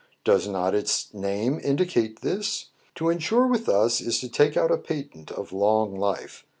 Does not its name indicate this.^ To insure with us is to take out a patent of long life.